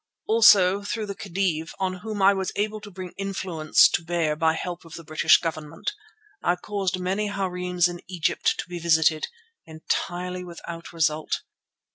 Also through the Khedive, on whom I was able to bring influence to bear by help of the British Government, I caused many harems in Egypt to be visited, entirely without result.